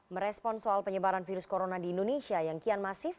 merespon soal penyebaran virus corona di indonesia yang kian masif